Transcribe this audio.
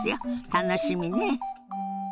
楽しみね。